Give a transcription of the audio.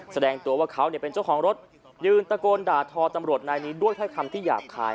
แสดงตัวว่าเขาเป็นเจ้าของรถยืนตะโกนด่าทอตำรวจนายนี้ด้วยถ้อยคำที่หยาบคาย